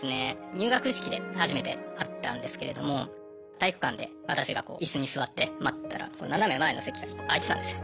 入学式で初めて会ったんですけれども体育館で私が椅子に座って待ってたら斜め前の席が１個空いてたんですよ。